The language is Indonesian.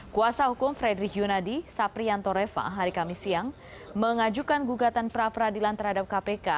kuasa hukum frederick yunadi saprianto reva hari kamis siang mengajukan gugatan pra peradilan terhadap kpk